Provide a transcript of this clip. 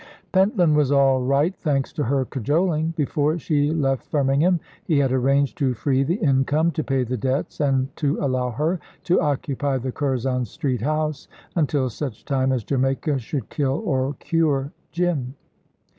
Pentland was all right, thanks to her cajoling. Before she left Firmingham he had arranged to free the income, to pay the debts, and to allow her to occupy the Curzon Street house until such time as Jamaica should kill or cure Jim.